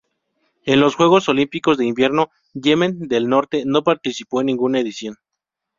En los Juegos Olímpicos de Invierno Yemen del Norte no participó en ninguna edición.